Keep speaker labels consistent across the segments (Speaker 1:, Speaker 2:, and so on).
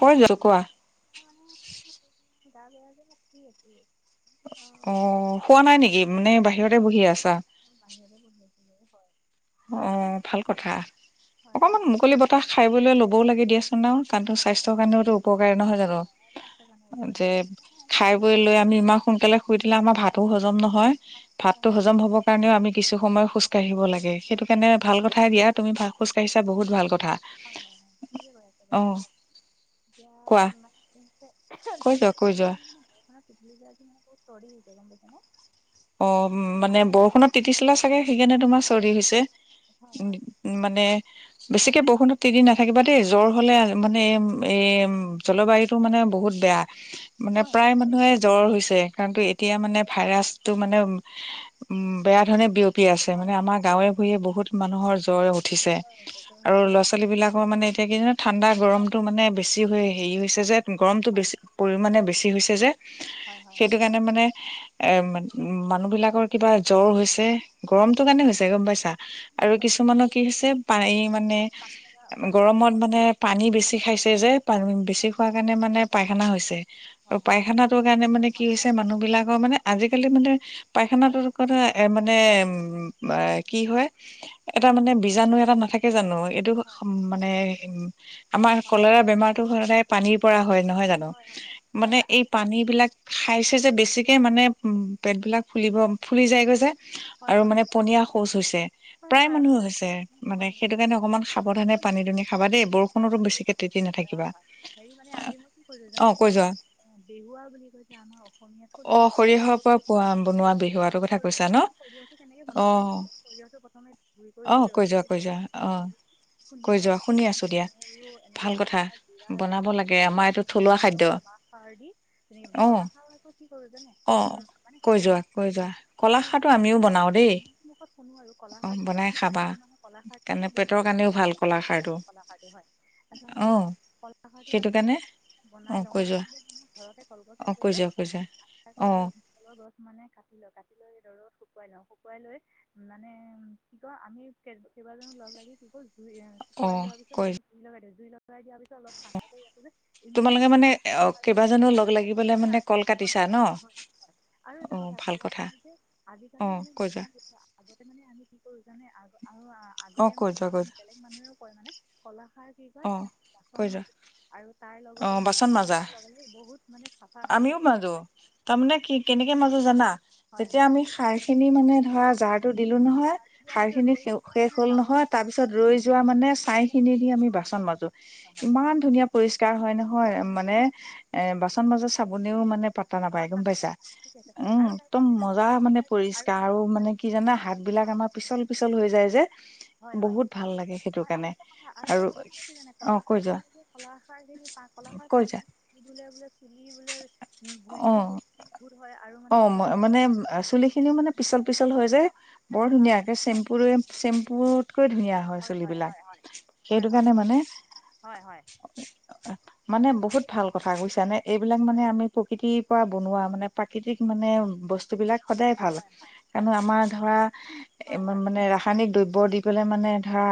Speaker 1: কৈ যোৱা কোৱা
Speaker 2: মানে গা বেয়া যে শুই আছো
Speaker 1: অ হোৱা নাই নেকি মানে বাহিৰত বহি আছে
Speaker 2: বাহিৰতে বহি আছিলো
Speaker 1: অ ভাল কথা
Speaker 2: হয় হয়
Speaker 1: অকনমান মুকলি বতাহ খাই বৈ লবও লাগে দিয়াচোন হেলৌ কাৰণটো স্বাস্থ্যৰ কাৰণেওতো উপকাৰী নহয় জানো
Speaker 2: স্বাস্থ্যৰ কাৰণে গৈ
Speaker 1: যে
Speaker 2: মানে আজি
Speaker 1: খাই
Speaker 2: ফুৰিব
Speaker 1: বৈ
Speaker 2: মন
Speaker 1: লৈ আমি ইমান সোনকালে শুই দিলে আমাৰ ভাতো হজম নহয়
Speaker 2: হয়
Speaker 1: ভাতো
Speaker 2: হয় হয়
Speaker 1: হজম হব
Speaker 2: নহয়
Speaker 1: কাৰণনেও আমি কিছু সময় খোজ কাঢ়িব লাগে সেইটো
Speaker 2: ফুৰিব
Speaker 1: কাৰণে ভাল কথাই দিয়া তুমি ভা খোজ কঢ়িছা বহুত ভাল কথা
Speaker 2: হয় হয় হয় ঠিকে কৈ আছে বাৰু
Speaker 1: আহ
Speaker 2: হয় এতিয়া
Speaker 1: কোৱা
Speaker 2: [unintelligible]
Speaker 1: কৈ যোৱা কৈ
Speaker 2: চৰ্দি
Speaker 1: যোৱা
Speaker 2: হৈছে গম পাইছে নে
Speaker 1: অ মানে বৰষুণত তিতি চিলা চাগে সেইকাৰণে তোমাৰ চৰ্দি হৈছে
Speaker 2: হয়
Speaker 1: উ
Speaker 2: হয়
Speaker 1: মানে
Speaker 2: হয়
Speaker 1: বেছিকে
Speaker 2: হয়
Speaker 1: বৰষুণত তিতি নাথাকিবা দেই জ্বৰ হলে
Speaker 2: হয়
Speaker 1: মানে এ উ জলবায়ুতটো মানে বহুত বেয়া মানে
Speaker 2: হয়
Speaker 1: প্ৰায় মানুহে জ্বৰ হৈছে কাৰণটো এতিয়া মানে ভাইৰাছ টো মানে উম বেয়া ধৰণে বিয়পি পি আছে
Speaker 2: হয় হয়
Speaker 1: মানে
Speaker 2: হয়
Speaker 1: আমাৰ গাঁৱে ভূঞে বহুত মানুহৰ জ্বৰে উঠিছে
Speaker 2: জ্বৰ হৈছে জ্বৰ
Speaker 1: আৰু
Speaker 2: হৈছে গম
Speaker 1: ল'ৰা ছোৱালী
Speaker 2: পাইছেনে
Speaker 1: বিলাকৰ মানে এতিয়া কি ঠাণ্ডা
Speaker 2: হয়
Speaker 1: গৰমটো মানে বেছি হৈ হেৰি হৈছে যে গৰমটো বেছি পৰিণে বেছি হৈছে যে
Speaker 2: হয় হয়
Speaker 1: সেইটো কাৰণে মানে এই ম উ মানুহ বিলাকৰ কিবা জ্বৰ হৈছে গৰমটো
Speaker 2: হয়
Speaker 1: কাৰণে হৈছে গম পাইছা আৰু
Speaker 2: গম পাইছোঁ
Speaker 1: কিছুমানৰ কি হৈছে পানি মানে
Speaker 2: পানী লগা পানী
Speaker 1: গৰমত
Speaker 2: পাইখানা
Speaker 1: মানে পানী বেছি খাইছে যে পানি বেছি খোৱাৰ কাৰণে মানে পায়খানা হৈছে আৰু
Speaker 2: হয় হয় ঠিক আছে
Speaker 1: পায়খানাটো কাৰণে মানে কি হৈছে মানুহ বিলাকৰ মানে আজি আজি কালি মানে
Speaker 2: হয়
Speaker 1: পায়খানাটোৰ
Speaker 2: হয় হয়
Speaker 1: কৰা এ মানে উম বা কি হয় এটা মানে বীজাণু এটা নাথাকে জানো এইটো
Speaker 2: হয়
Speaker 1: মানে উ আমাৰ কলেৰা বেমাৰতটো সদায় পানীৰ পৰা হয় নহয় জানো
Speaker 2: হয় হয় হয় হয়
Speaker 1: মানে
Speaker 2: হয়
Speaker 1: এই
Speaker 2: আজি তুমি
Speaker 1: পানী বিলাক খাইছে যে বেছিকে মানে উম পেটবিলাক ফুলিব ফুলি যায়গৈ যে
Speaker 2: হয়
Speaker 1: আৰু
Speaker 2: হয়
Speaker 1: মানে পনীয়া শৌচ হৈছে
Speaker 2: হয়
Speaker 1: প্ৰায়
Speaker 2: হয়
Speaker 1: মানুহ হৈছে মানে
Speaker 2: হয়
Speaker 1: সেইটো কাৰণে অকমান সাৱধানে পানী দুনি খাবা দেই বৰষুণতো বেছিকে তেতি নাথাকিবা
Speaker 2: হেৰি মানে আজি মই কি কৰিলোঁ
Speaker 1: অ
Speaker 2: জানে এই
Speaker 1: কৈ
Speaker 2: যে
Speaker 1: যোৱা
Speaker 2: অ, বেহুৱা বুলি কয় যে আমাৰ অসমীয়া
Speaker 1: অ
Speaker 2: থলুৱা থলুৱা
Speaker 1: সৰিয়হৰ পৰা
Speaker 2: খাদ্যটো
Speaker 1: পোৱা
Speaker 2: বেলেগ।
Speaker 1: বনোৱা বিহুৱটোৰ কথা
Speaker 2: সৰ-
Speaker 1: কৈছা
Speaker 2: আমি
Speaker 1: ন
Speaker 2: সৰিয়হটো কেনেকে
Speaker 1: অ
Speaker 2: বনাওঁ জানে সৰিয়হটো প্ৰথমে গুৰি কৰি
Speaker 1: অ
Speaker 2: লৈ
Speaker 1: কৈ
Speaker 2: ৰ'দে
Speaker 1: যোৱা
Speaker 2: দিওঁ
Speaker 1: কৈ যোৱা
Speaker 2: তাৰপিছত
Speaker 1: অ
Speaker 2: খুন্দি খুন্দি
Speaker 1: কৈ
Speaker 2: লোৱা
Speaker 1: যোৱা
Speaker 2: পিছত
Speaker 1: শুনি
Speaker 2: তাত
Speaker 1: আছো দিয়া
Speaker 2: নৰু
Speaker 1: ভাল
Speaker 2: এনেকে
Speaker 1: কথা
Speaker 2: আদা জুৰা
Speaker 1: বনাব
Speaker 2: জালু
Speaker 1: লাগে আমাৰ এইটো থলুৱা খাদ্য
Speaker 2: একদম কলা খাৰ দি তেনে
Speaker 1: অ
Speaker 2: কলাখাৰ আকৌ কি কৰো যে
Speaker 1: অ কৈ যোৱা কৈ যোৱা কলাখাটো আমিও বনাও দেই
Speaker 2: আমি মুখত শুনো আৰু
Speaker 1: অ
Speaker 2: কলাখাৰটো মানে
Speaker 1: বনাই
Speaker 2: কি হয়
Speaker 1: খাবা
Speaker 2: কি মানে হয় কলাখাৰটো
Speaker 1: কাৰণে
Speaker 2: বো বহুত
Speaker 1: পেটৰ
Speaker 2: জান
Speaker 1: কাৰণেও
Speaker 2: হয়
Speaker 1: ভাল কলা খাৰটো
Speaker 2: কলাখাৰটো হয়
Speaker 1: অ
Speaker 2: তাৰপছত কলাখাৰটো
Speaker 1: সেইটো
Speaker 2: মানে কি হয়
Speaker 1: কাৰণে অ
Speaker 2: বনাই লওঁ
Speaker 1: কৈ
Speaker 2: মানে
Speaker 1: যোৱা
Speaker 2: কেনেকে ঘৰতে কলগছ
Speaker 1: অ
Speaker 2: আছে
Speaker 1: কৈ
Speaker 2: যে
Speaker 1: যোৱা কৈ যোৱা অ
Speaker 2: নাৰিকল আৰু কাছকলৰ গছ মানে কাটি লয় কাটি লৈ দৰব শুকুৱাই লও শুকুৱাই লৈ উ মানেম কি ক আমি কেইবাজনো লগ লাগি কি কল
Speaker 1: অ
Speaker 2: শুকুৱাই লোৱা পিছত
Speaker 1: কৈ
Speaker 2: জুই লগই দিও [inaudible]
Speaker 1: তোমালোকে মানে কেইবাজনো লগ
Speaker 2: এটা
Speaker 1: লাগিবলৈ মানে
Speaker 2: কথা
Speaker 1: কল কাটিছা
Speaker 2: বনাওঁ
Speaker 1: ন
Speaker 2: বনাওঁ হয় হয় আৰু
Speaker 1: অ
Speaker 2: এটা
Speaker 1: ভাল কথা
Speaker 2: কলাখাৰ যে
Speaker 1: অ
Speaker 2: আজিকালি মানে
Speaker 1: কৈ যোৱা
Speaker 2: আগতে মানে আমি মানে আগত আৰু
Speaker 1: অ
Speaker 2: আগতে
Speaker 1: কৈ
Speaker 2: মানে
Speaker 1: যোৱা
Speaker 2: আপ
Speaker 1: কৈ
Speaker 2: বেলেগ মানুহেও কয় মানে কলা কাৰ কি কয়
Speaker 1: যোৱা অ
Speaker 2: সিহঁত
Speaker 1: কৈ
Speaker 2: বাচন
Speaker 1: যোৱা
Speaker 2: মাজতে আৰু তাৰ
Speaker 1: অ
Speaker 2: লগতে
Speaker 1: বাচন
Speaker 2: মানে
Speaker 1: মাজা
Speaker 2: স লগে বহুত মানে চাফা হয়
Speaker 1: আমিও
Speaker 2: চিকচিকীয়া
Speaker 1: মাজো তাৰমানে কি
Speaker 2: হয় হয় হয়
Speaker 1: ষাৰ খিনি মানে ধৰা জাৰ টো দিলো নহয়
Speaker 2: আৰু ইয়াৰ
Speaker 1: সাৰ
Speaker 2: পিছত
Speaker 1: খিনি
Speaker 2: ৰৈ
Speaker 1: শেষ
Speaker 2: মানে
Speaker 1: হ'ল
Speaker 2: জাবৰ
Speaker 1: নহয় তাৰ পিছত ৰৈ যোৱা মানে ছাই খিনি দি আমি বাচ মাজো
Speaker 2: হয় হয়
Speaker 1: ইমান ধুনীয়া
Speaker 2: ঠিক আছে
Speaker 1: পৰিষ্কাৰ হয় নহয় মানে এ বাচন মাজা চাবোনেও মানে প তা নাপায়
Speaker 2: পাত্তা
Speaker 1: গম পাইছা
Speaker 2: ঠিক আছে
Speaker 1: উম
Speaker 2: আৰু
Speaker 1: একদম
Speaker 2: তাৰপিছত কি জানে
Speaker 1: মজা মানে
Speaker 2: কলাখাৰ যে
Speaker 1: পৰিষ্কাৰ আৰু
Speaker 2: অঁ
Speaker 1: মানে কি জানা হাত বিলাক
Speaker 2: হয়
Speaker 1: আমাৰ
Speaker 2: হয়
Speaker 1: পিচল পিছল হৈ যায় যে
Speaker 2: হয় হয়
Speaker 1: বহুত ভাল লাগে সেইটো
Speaker 2: হয় আৰু
Speaker 1: কাৰণে
Speaker 2: এটা কথা এটা
Speaker 1: আৰু
Speaker 2: কথা মানে কি জানে
Speaker 1: অ
Speaker 2: কলাখাৰ
Speaker 1: কৈ
Speaker 2: কি
Speaker 1: যোৱা
Speaker 2: কলাখাৰ কলাখাৰ
Speaker 1: কৈ
Speaker 2: পানী
Speaker 1: যোৱা
Speaker 2: ধুলে বোলে চুলি ধুলে বোলে গুৰিত
Speaker 1: অ ম মানে চুলি খিনিও মানে পিচল পিচল হৈ যায়
Speaker 2: মানে
Speaker 1: বৰ
Speaker 2: চাফা
Speaker 1: ধুনীয়াকে
Speaker 2: হয়
Speaker 1: চেম্পুৰে চেম্পুত তকৈ ধুনীয়া হয় চুলিবিলাক সেইটো
Speaker 2: হয়
Speaker 1: কাৰণে মানে
Speaker 2: হয় হয়
Speaker 1: মানে বহুত ভাল কথা কৈছা নে এইবিলাক
Speaker 2: হয়
Speaker 1: মানে আমি প্ৰকৃতিৰ পৰা বনোৱা মানে প্ৰাকৃতিক মানে বস্তুবিলাক সদায় ভাল
Speaker 2: হয়
Speaker 1: কাৰনে আমাৰ ধৰা
Speaker 2: হয় হয় হয় হয়
Speaker 1: মানে ৰাসায়নিক দ্ৰব্য বৰ দি পেলাই মানে পিঠা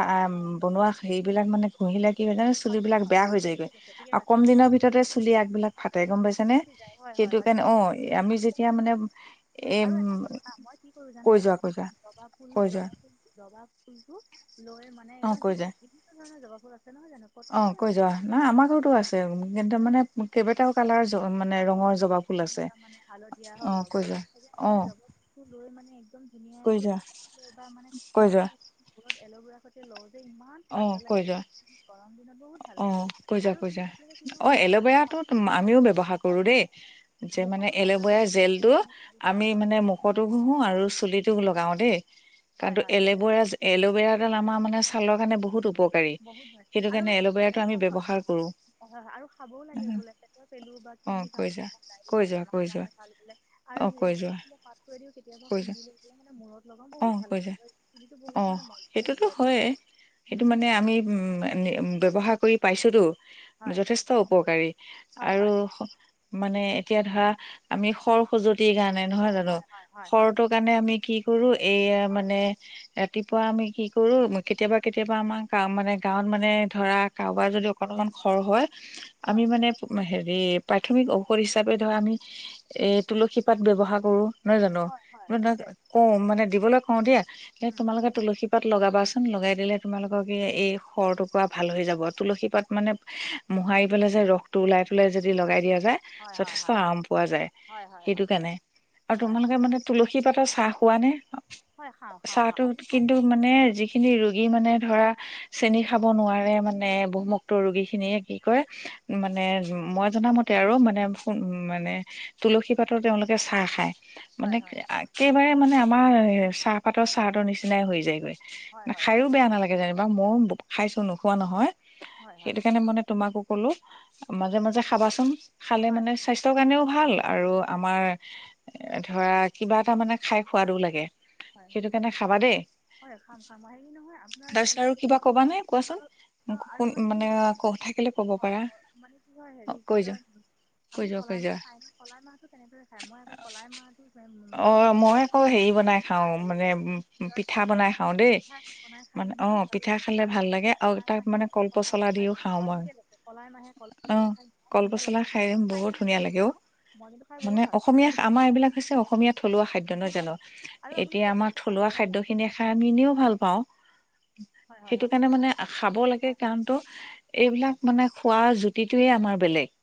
Speaker 1: বনোৱা সেই বিলাক মানে কুহিলে কি হয় জানো চুলিবলাক বেয়া হৈ
Speaker 2: ঠিকে
Speaker 1: যায়গৈ
Speaker 2: কৈছে ঠিকে
Speaker 1: আৰু
Speaker 2: কৈছে
Speaker 1: কম দিনৰ ভিতৰতে চুলি আগবিলাক ফাতে গম পাইছে
Speaker 2: ফি যায় হয় হয় হয় কি আজিকালি
Speaker 1: যেতিয়া মানে এ
Speaker 2: আৰু এটা কথা মই কি কৰো
Speaker 1: কৈ
Speaker 2: জানে
Speaker 1: যোৱা কৈ যোৱা
Speaker 2: জবা ফুল
Speaker 1: কৈ যোৱা।
Speaker 2: জবা ফুল জবা ফুলটো লৈ মানে
Speaker 1: অ
Speaker 2: এই
Speaker 1: কৈ
Speaker 2: যি
Speaker 1: যোৱা
Speaker 2: কোনো যাবুৰা
Speaker 1: অ কৈ যোৱা না আমাৰ ঘৰতো আছে কিন্তু মানে
Speaker 2: একদম
Speaker 1: কেইবাটাও কালাৰ মানে ৰঙৰ জবা ফুল আছে
Speaker 2: মানে হালধীয়া
Speaker 1: অ
Speaker 2: হয় বগা
Speaker 1: কৈ যোৱা
Speaker 2: সে
Speaker 1: অ
Speaker 2: সেই জবা ফুলটো লৈ মানে একদম
Speaker 1: কৈ
Speaker 2: ধুনীয়াকে
Speaker 1: যোৱা
Speaker 2: লৈ বা মানে
Speaker 1: কৈ
Speaker 2: খুন্দি
Speaker 1: যোৱা
Speaker 2: এল'বেৰা সৈতে লওঁ। যে ইমান
Speaker 1: অ
Speaker 2: ঠাণ্ডা
Speaker 1: কৈ
Speaker 2: লাগে
Speaker 1: যোৱা
Speaker 2: গৰম দিনত বহুত ভাল
Speaker 1: অ
Speaker 2: লাগে
Speaker 1: কৈ যোৱা
Speaker 2: আৰু
Speaker 1: কৈ
Speaker 2: আপে
Speaker 1: যোৱা
Speaker 2: কেতিয়াবা কি
Speaker 1: অ
Speaker 2: ক'ল জগ
Speaker 1: এল'ভেৰাটো
Speaker 2: পাতটো।
Speaker 1: আমিও ব্যৱহাৰ কৰো
Speaker 2: হয়
Speaker 1: দেই যে মানে
Speaker 2: মুখতো লগাওঁ
Speaker 1: এল'ভেয়াৰ
Speaker 2: ছালৰ
Speaker 1: জেলটো
Speaker 2: কাৰণে ভাল হয়
Speaker 1: আমি
Speaker 2: হয়
Speaker 1: মানে মুখতো ঘহো আৰু চুলিটো লগাও দেই।
Speaker 2: হয়
Speaker 1: কাৰণো
Speaker 2: হয়
Speaker 1: এল'ভেৰা এলোবেৰাডাল আমাৰানে। মানে চালক কাৰণে বহুত। উপকাৰী
Speaker 2: বহুত হয়
Speaker 1: সেইটো
Speaker 2: আৰু
Speaker 1: কাৰণে
Speaker 2: মানে কি ক
Speaker 1: এল'ভেৰাটো আমি
Speaker 2: হয় হয়
Speaker 1: ব্যৱহাৰ কৰো
Speaker 2: হয় হয় আৰু খাবও লাগে বোলেেটৰ পেলো
Speaker 1: অ কৈ যোৱা কৈ
Speaker 2: বাবেটি
Speaker 1: যোৱা কৈ যোৱা
Speaker 2: বেমাৰণে ভাল বোলে
Speaker 1: অ
Speaker 2: আৰু
Speaker 1: কৈ যোৱা
Speaker 2: হ পাত দি কেতিয়াবা
Speaker 1: কৈ যা
Speaker 2: খুন্দি লৈলে মানে মূৰত লগাওঁ
Speaker 1: অ
Speaker 2: বহুত ভাল
Speaker 1: কৈ যা
Speaker 2: লাগেটো
Speaker 1: অ
Speaker 2: বহুত মানে মজবুত
Speaker 1: সেইটোতো
Speaker 2: হয়
Speaker 1: হয়ে
Speaker 2: মানে।
Speaker 1: সেইটো মান।
Speaker 2: উম
Speaker 1: মানে আমি ব্যৱহাৰ কৰি পাইছোঁতো।
Speaker 2: হয়
Speaker 1: যথেষ্ট উপকাৰী
Speaker 2: হয়
Speaker 1: আৰু।
Speaker 2: হয়
Speaker 1: মানে এতিয়া ধৰা আমি সৰ খজুৱতি গানে। নহয় জানো
Speaker 2: হয় হয় হয়
Speaker 1: খৰটোৰ কাৰণে আমি কি। সৰু। এইয়া
Speaker 2: হয়
Speaker 1: মানে। ৰাতিপুৱা আমি কি কৰো। কেতিয়াবা কেতিয়াবা আমাৰ গ মানে গাঁৱত মানে ধৰা কাৰোবাৰ যদি অকণ অকণ খৰ হয়। আমি
Speaker 2: হয়
Speaker 1: মানে হেৰি। হে প্ৰাথমিক ঔষধ হিচাপে ধৰ আমি এই তুলসী পাত ব্যৱহাৰ কৰোঁ। নহয় জানো
Speaker 2: হয় হয়
Speaker 1: ম ধ
Speaker 2: ঠিকে
Speaker 1: কম মানে দিবলৈ। হয় দিয়া। এ
Speaker 2: উম
Speaker 1: তোমালোকে তুলসী। তাত লগাবা ছোন। লগাই দিলে তোমালোকৰ কি এই সৰ টুকুৰা ভাল হৈ যাব তুলসী পাত মানে মোহাৰি পেলাই যে ৰস টো ওলাই পেলাই যদি লগাই দিয়া।
Speaker 2: হয় হয়
Speaker 1: যথেষ্ট
Speaker 2: হয়
Speaker 1: আৰাম পোৱা যায়
Speaker 2: হয় হয়
Speaker 1: সেইটো
Speaker 2: হয়
Speaker 1: কাৰণে আৰু
Speaker 2: হয় হয়
Speaker 1: তোমালোকে মানে তুলসী পাতৰ চাহ। পোৱা নাই।
Speaker 2: হয় খাওঁ খাওঁ খাওঁ
Speaker 1: চাহটো
Speaker 2: আপুনি খায়নে
Speaker 1: কিন্তু মানে যি। খিন ৰোগী মানে ধৰা চেনি খাব নোৱাৰে মানে বহুমুক্ত ৰোগী খিনিয়ে কি ক মানে মই জনামতে আৰু মানে উ মানে তুলসী পাতৰ তেওঁলোকে চাহ খায়। মানে
Speaker 2: হয় হয়
Speaker 1: একেবাৰে মানে। আমাৰ চাহপাতৰ চাহতৰ নিচিনাই হৈ যায়গৈ।
Speaker 2: হয় হয়
Speaker 1: খায়ো
Speaker 2: ঠিকে
Speaker 1: বেয়া
Speaker 2: কৈছে
Speaker 1: নালাগে যেনিবা ময়ো খাইছো নোখোৱা নহয়
Speaker 2: হয় হয়
Speaker 1: সেইটো কাৰণে মানে তোমাকো ক'লো
Speaker 2: উম
Speaker 1: মাজে মাজে খাবাচোন খালে
Speaker 2: হয়
Speaker 1: মানে স্বাস্থ্যৰ কাৰণেও। ভাল আৰু আমাৰ ধৰা কিবা এটা মানে খাই খোৱাদো লাগে।
Speaker 2: হয়
Speaker 1: সেইটো
Speaker 2: হয়
Speaker 1: কাৰণে খাবা দেই
Speaker 2: হয় খাম খাম। নহয় আপোনাৰ
Speaker 1: তাৰপিছত আৰু কিবা কবা নে কোৱাচোন?
Speaker 2: হেৰিপ অ আৰু
Speaker 1: শুন
Speaker 2: মানে কি হয়
Speaker 1: ক থাকিলে ক'ব পাৰা
Speaker 2: মানে কি হয়
Speaker 1: অ
Speaker 2: হেৰি কি
Speaker 1: কৈ
Speaker 2: কয়
Speaker 1: যোৱা কৈ
Speaker 2: আপুনি
Speaker 1: যোৱা কৈ
Speaker 2: কলাই মাহ
Speaker 1: যোৱা।
Speaker 2: খায়নে কলাই মাহটো কেনেদৰে খায় মই আকৌ কলাইমাহটো
Speaker 1: অ
Speaker 2: বাকলিটো
Speaker 1: মই আকৌ
Speaker 2: চাই।
Speaker 1: হেৰি বনাই খাওঁ মানে পিঠা বনাই খাওঁ দেই
Speaker 2: পিঠা বনাই খাই
Speaker 1: মানে অ
Speaker 2: ইমান ভাল
Speaker 1: পিঠা
Speaker 2: লাগিছিল
Speaker 1: খালে
Speaker 2: আৰু
Speaker 1: ভাল লাগে আৰু
Speaker 2: কলাই
Speaker 1: তাক
Speaker 2: মাহে
Speaker 1: মানে কল পচলা
Speaker 2: আৰু
Speaker 1: দিও খাওঁ মই
Speaker 2: ঠিকে লৈছে কলাই মাহে
Speaker 1: অ।
Speaker 2: কলাই খাই ইমান
Speaker 1: কল
Speaker 2: ধুনীয়া লাগে
Speaker 1: পচলা
Speaker 2: ন আপুনি খাই
Speaker 1: বহুত
Speaker 2: নে
Speaker 1: ধুনীয়া
Speaker 2: নাখায়
Speaker 1: লাগে অ।
Speaker 2: নাজানো মই কিন্তু খাই বহুত
Speaker 1: মানে
Speaker 2: ভাল পাওঁ দে
Speaker 1: অসমীয়া আমাৰ এইবিলাক হৈছে অসমীয়া থলুৱা খাদ্য নহয়
Speaker 2: থলুৱা
Speaker 1: জানো?
Speaker 2: খাই
Speaker 1: এতিয়া আমাৰ থলুৱা খাদ্য খিনি খাই আমি এনেও ভাল পাওঁ
Speaker 2: হয় হয়
Speaker 1: সেইটো
Speaker 2: হয়
Speaker 1: কাৰণে মানে খাব লাগে কাৰণ তো
Speaker 2: হয়
Speaker 1: এইবিলাক মানে খোৱাৰ প্ৰতিটোৱে আমাৰ বেলেগ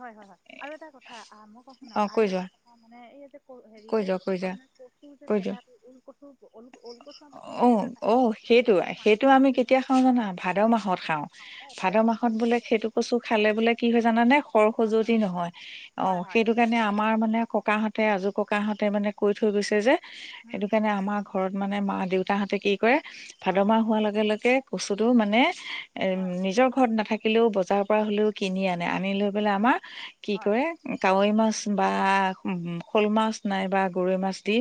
Speaker 2: হয় হয় হয় আৰু এটা কথা মই কওঁ
Speaker 1: অ
Speaker 2: শুনক আৰু
Speaker 1: কৈ যোৱা।
Speaker 2: এটা কথা মানে এই যে ক হেৰি
Speaker 1: কৈ
Speaker 2: যে
Speaker 1: যোৱা কৈ যোৱা
Speaker 2: আপোনাৰ কচু যে
Speaker 1: কৈ যোৱা
Speaker 2: পেতা ঊল কচু ল ওল কচু আপুনি
Speaker 1: অ
Speaker 2: কেনেদৰে খাই
Speaker 1: অ সেইটো সেইটো আমি কেতিয়া খাও জানা ভাদ মাহত খাও ভাদ মাহত বোলে সেইটো কচো খালে বোলে কি হয় জানা মানে সৰ
Speaker 2: হয়
Speaker 1: খজুৱতি নহয় অ
Speaker 2: হয় হয়
Speaker 1: সেইটো কাৰণে আমাৰ মানে ককাহঁতে আজোৰ ককাহঁতে মানে কৈ থৈ গৈছে যে
Speaker 2: উম
Speaker 1: সেইটো কাৰণে আমাৰ ঘৰত মানে মা দেউতাহঁতে কি কৰে ভাদ
Speaker 2: হয়
Speaker 1: মাহ
Speaker 2: হয়
Speaker 1: হোৱাৰ লগে লগে কচুটো মানে
Speaker 2: হয়
Speaker 1: নিজৰ ঘৰত নাথাকে থাকিলেও বজাৰৰ পৰা হ'লেও কিনি আনে আনি লৈ পেলাই আমাৰ কি
Speaker 2: হয়
Speaker 1: কৰে কাৱৈ মাছ বা শ'ল মাছ নাই বা গৰৈ মাছ দি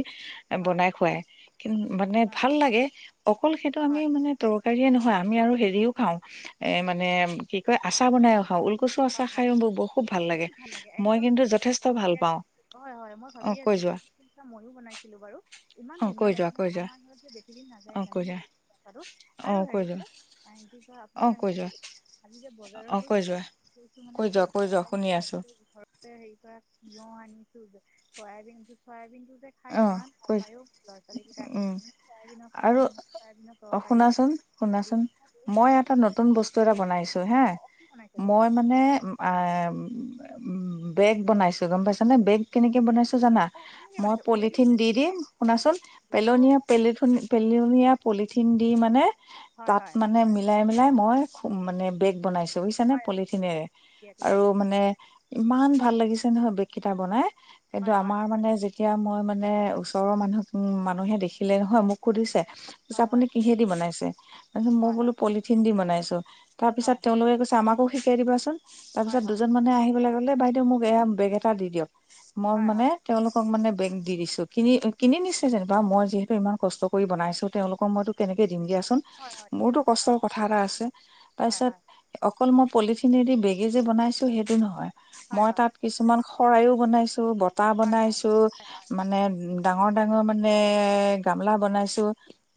Speaker 2: হয়
Speaker 1: বনাই খুৱাই কি মানে
Speaker 2: হয়
Speaker 1: ভাল লাগে অকল সেইটো আমি
Speaker 2: হয়
Speaker 1: মানে তৰ কাৰিয়ে আমি আৰু হেৰিও খাও এ মানে কি কয় আচা বনাই খ
Speaker 2: হয় হয় ভাল লাগে
Speaker 1: মই
Speaker 2: একম
Speaker 1: কিন্তু যথেষ্ট ভাল পাওঁ
Speaker 2: হয় মই
Speaker 1: অ
Speaker 2: ভাবিয়ে
Speaker 1: কৈ
Speaker 2: আছিলো
Speaker 1: যোৱা
Speaker 2: ময়ো বনাইছিলো বাৰু ইমান
Speaker 1: অ
Speaker 2: ধুনীয়া
Speaker 1: কৈ
Speaker 2: লাগে
Speaker 1: যোৱা কৈ
Speaker 2: নহয়
Speaker 1: যোৱা
Speaker 2: আমাৰ ঘৰত যে ইমান বেছি দিন নাযায়
Speaker 1: অ কৈ যোৱা
Speaker 2: জানেটো
Speaker 1: অ
Speaker 2: আৰু
Speaker 1: কৈ
Speaker 2: হেৰি [unintelligible] [unintelligible]
Speaker 1: যোৱা
Speaker 2: যে কি কয়
Speaker 1: অ
Speaker 2: আপোনাৰ
Speaker 1: কৈ
Speaker 2: হেৰি
Speaker 1: যোৱা
Speaker 2: আজি যে বজাৰত
Speaker 1: অ কৈ যোৱা
Speaker 2: গৈছিলো মানে
Speaker 1: কৈ যোৱা কৈ যোৱা শুনি আছো
Speaker 2: ঘৰতে হেৰি কৰা তিয়হ আনি চয়াবিন চয়াবিন যে খাই
Speaker 1: অ
Speaker 2: ইমান ভাল
Speaker 1: কৈ
Speaker 2: পায়ও ল'ৰা ছোৱালী কেইটাই
Speaker 1: উম
Speaker 2: মানে চয়াই বিনৰ
Speaker 1: আৰু
Speaker 2: চাটনি হওক চৰাই বিনৰ
Speaker 1: অ
Speaker 2: তৰকাৰী
Speaker 1: শুনাচোন
Speaker 2: হওক
Speaker 1: শুনাচোন
Speaker 2: বহত
Speaker 1: মই
Speaker 2: ভাল
Speaker 1: এটা নতুন বস্তু এটা বনাইছো হা
Speaker 2: পায় অ কি বনাইছে
Speaker 1: মই
Speaker 2: বস্তু
Speaker 1: মানে বেগ বাইছো বেগ কেনেকে বনাইছো জানা
Speaker 2: অ' কেনেকৈ
Speaker 1: মই
Speaker 2: বনাইছে ওলেদি
Speaker 1: পলিথিন দি
Speaker 2: বনাইছে নে
Speaker 1: দিম শুনাচোন
Speaker 2: অ' দি অ'
Speaker 1: পেলনীয়া পেল পেলনীয়া পলিথিন দি মানে
Speaker 2: হয়
Speaker 1: তাত
Speaker 2: হয়
Speaker 1: মানে মিলাই মিলাই মই মানে বেগ বনাইছো।
Speaker 2: হয়
Speaker 1: পলিথিনেৰে
Speaker 2: ঠিকে ঠিকে
Speaker 1: আৰু মানে। ইমান ভাল লাগিছে নহয় বেগ কেইটা বনায়। কিন্তু
Speaker 2: হয় হয়
Speaker 1: আমাৰ মানে যি এতিয়া মই মানে ওচৰৰ মানুহ মানুহে দেখিলে নহয় মোক সুধিছে। তাৰপিছত
Speaker 2: হয়
Speaker 1: আপুনি
Speaker 2: হয়
Speaker 1: কিহে দি বনাইছে। তাৰপিছত মই
Speaker 2: হয়
Speaker 1: বোলো
Speaker 2: হয়
Speaker 1: পলিথিন দি বনাইছে। ত [unintelligible] তাৰ পিছত
Speaker 2: হয়
Speaker 1: তেওঁলোকে কৈছে আমাকো শঠিকাই দিবাচোন [inaudible] তাৰ
Speaker 2: হয় হয়
Speaker 1: পিছত দুজন মানে আহিব লাগে। বাইদেউ মোক এয়া বেগ এটা দি দিয়ক। মই
Speaker 2: হয়
Speaker 1: মানে
Speaker 2: হয়
Speaker 1: তেওঁলোকক মানে বেগ দি দিছো কিনি কিনি নিচে যেনিবা মই যিহেতু ইমান কষ্ট কৰি বনাইছো। তেওঁলোকক মইতো কেনেকে দিম দিয়াচোন
Speaker 2: হয় হয় ঠিকেই
Speaker 1: মোৰতো
Speaker 2: কৈছে
Speaker 1: কষ্টৰ
Speaker 2: হয়
Speaker 1: কথা এটা আছে
Speaker 2: হয়
Speaker 1: তাৰপিছত
Speaker 2: হয়
Speaker 1: অকল পলিথিনেদি বেগে যে বনাইছোঁ সেইটো নহয়।
Speaker 2: হয়
Speaker 1: মই
Speaker 2: হয়
Speaker 1: তাত কিছুমান। শৰাই ও বনাইছে। বতাহ
Speaker 2: হয় হয়
Speaker 1: বনাইছো।
Speaker 2: হয়
Speaker 1: মানে ডাঙৰ ডাঙৰ ডাঙৰ মানে এ গামলা বনাইছোঁ‌।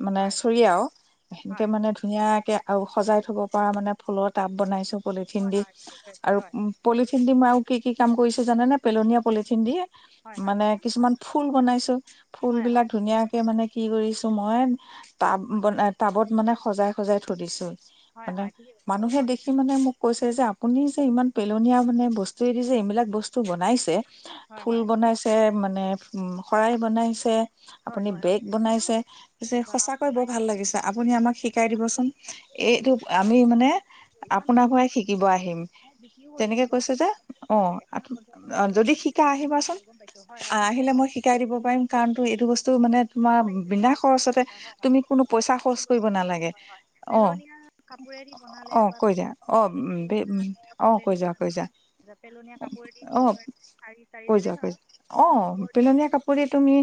Speaker 1: মানে
Speaker 2: হয় হয়
Speaker 1: চৰিয়াও সেনেকে
Speaker 2: হয়
Speaker 1: মানে ধুনীয়াকে। আৰু সজাই থ'ব পৰা মানে ফুলৰ টাব বনাইছোঁ‌। পলিথিন
Speaker 2: হয়
Speaker 1: দি
Speaker 2: হয় ঠিকে কৈছে
Speaker 1: আৰু
Speaker 2: হয়
Speaker 1: পলিথিন দি মই কি কি কাম কৰিছে জানেনেে পেলনীয়া পলিথিন দিয়ে।
Speaker 2: হয় হয়
Speaker 1: মানে
Speaker 2: কওকচোন
Speaker 1: কিছুমান ফুল বনাইছো ফুল
Speaker 2: হয়
Speaker 1: বিলাক
Speaker 2: হয়
Speaker 1: ধুনীয়াকে মানে। কি কৰিছো মই। টাব
Speaker 2: হয় হয়
Speaker 1: বনাই টাবত মানে। সজাই সজাই থৈ দিছোঁ‌।
Speaker 2: হয়
Speaker 1: মানে
Speaker 2: হয় ঠিকে কৈছে বাৰু
Speaker 1: মানুহে
Speaker 2: হয়
Speaker 1: দেখি মানে মোক। কৈছে যে আপুনি যে ইমান পেলনীয়া মানে বস্তুৱেদি যে এইবিলাক বস্তু বনাইছে।
Speaker 2: হয়
Speaker 1: ফুল
Speaker 2: হয়
Speaker 1: বনাইছে। মানে উ শৰাই বনাইছে।
Speaker 2: হয়
Speaker 1: আপুনি
Speaker 2: হয় হয়
Speaker 1: বেগ
Speaker 2: বনাব
Speaker 1: বনাইছে
Speaker 2: লাগে লাগে বা আপুনি
Speaker 1: সঁচাকৈ বৰ
Speaker 2: পাৰিছে
Speaker 1: ভাল লাগিছে। আপুনি আমাক শিকাই দিবচোন।
Speaker 2: দেই
Speaker 1: এইটো
Speaker 2: ভইচ
Speaker 1: আমি
Speaker 2: বস্তু
Speaker 1: মানে
Speaker 2: ইমান
Speaker 1: আপোনাৰ
Speaker 2: ধুনীয়াকৈ
Speaker 1: পৰাই
Speaker 2: বনাই।
Speaker 1: শিকিব আহিম
Speaker 2: মই বিক্ৰীও
Speaker 1: তেনেকে
Speaker 2: কৰিছোঁ গম
Speaker 1: কৈছে যে
Speaker 2: পাইছোঁ লাগে এখনত পঞ্চাছ টকা
Speaker 1: অ'
Speaker 2: কেতিয়াবা
Speaker 1: যদি
Speaker 2: ডেৰশ
Speaker 1: শিকা
Speaker 2: টকা তেনেকৈ
Speaker 1: আহিবাচোন।
Speaker 2: কৰোঁ গম পাইছোঁ হয়
Speaker 1: আহিলে মই শিকাই দিব পাৰিম কাৰণটো।
Speaker 2: লি ভাল লাগিছে আপোনাৰ
Speaker 1: তুমি কোনো পইচা খৰচ কৰিব নালাগে
Speaker 2: হয়
Speaker 1: অ
Speaker 2: পেলনীয়া কাপোৰেদি বনালে
Speaker 1: অ
Speaker 2: বা
Speaker 1: কৈ দিয়া অ অ কৈ
Speaker 2: উলেদি
Speaker 1: যোৱা কৈ যোৱা
Speaker 2: পেলনীয়া কাপোৰেদি
Speaker 1: অ
Speaker 2: শিঙি শাৰি চাৰি
Speaker 1: কৈ
Speaker 2: যেনেই
Speaker 1: যোৱা কৈ
Speaker 2: ধৰক।
Speaker 1: যোৱা অ
Speaker 2: ওপৰেদি
Speaker 1: পেলনীয়া কাপোৰে তুমি।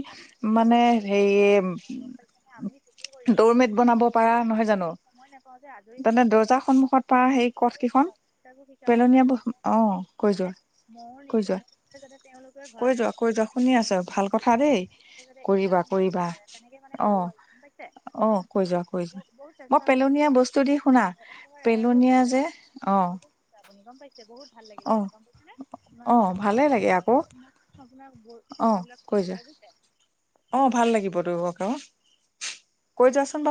Speaker 1: মানে
Speaker 2: সেইবোৰেদি
Speaker 1: হেৰি
Speaker 2: বনাই আপুনি ঠিকেই কৰিছে মই
Speaker 1: দৰমেট বনাব পাৰা নহয় জানো।
Speaker 2: সময় নাপাওঁ যে আজৰি
Speaker 1: মানে
Speaker 2: সময়ত ক'তো
Speaker 1: দৰ্জা সন্মুখত পৰা সেই কঠ কেইখন
Speaker 2: ওলাব শিকাব বা
Speaker 1: পেলনীয়া ব অ কৈ
Speaker 2: যাতে
Speaker 1: যোৱা
Speaker 2: মোৰ
Speaker 1: কৈ
Speaker 2: নিচিনা
Speaker 1: যোৱা।
Speaker 2: মোৰ যাতে তেওঁলোকে
Speaker 1: কৈ
Speaker 2: ঘৰতে
Speaker 1: যোৱা কৈ যোৱা শুনি আছোঁ ভাল কথা দেই।
Speaker 2: যাতে এইবিলাক
Speaker 1: কৰিবা
Speaker 2: কাম কৰিব
Speaker 1: কৰিবা
Speaker 2: পাৰে তেনেকে মানে
Speaker 1: অ
Speaker 2: কৰো আৰু গম পাইছে
Speaker 1: অ কৈ যোৱা কৈ যোৱা
Speaker 2: বহুত
Speaker 1: মই
Speaker 2: চেষ্টা কৰো
Speaker 1: পেলনীয়া বস্তু দি শুনা
Speaker 2: একেবাৰে ৰেহাই হলেও
Speaker 1: পেলনীয়া যে
Speaker 2: ৰেহাই
Speaker 1: অ
Speaker 2: মানে আপুনি গম পাইছে। বহুত ভাল লাগিল
Speaker 1: অ
Speaker 2: শুনি গম পাইছানে
Speaker 1: অ ভালে লাগে আকৌ অ কৈ যোৱা
Speaker 2: আপোনাৰ কথা।
Speaker 1: অ ভাল লাগিব তো আক। কৈ যাচোন বা